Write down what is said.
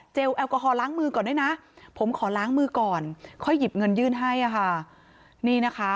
เจลแอลกอฮอล์ล้างมือก่อนด้วยนะ